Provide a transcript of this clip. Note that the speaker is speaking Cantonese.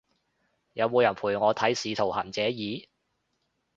有冇人陪我睇使徒行者二？